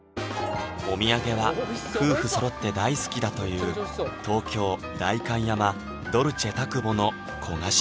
お土産は夫婦そろって大好きだという東京・代官山ドルチェタクボの焦がし